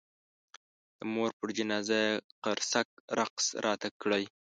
د مور پر جنازه یې قرصک رقص راته کړی.